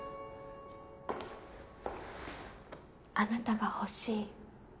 あなたが欲しい。